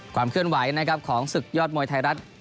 ความเคลื่อนไหวนะครับของศึกยอดมวยไทยรัฐ